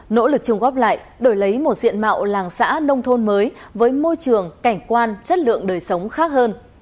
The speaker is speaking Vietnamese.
nỗ lực chung góp lại đổi lấy một diện mạo làng xã nông thôn mới với môi trường cảnh quan chất lượng đời sống khác hơn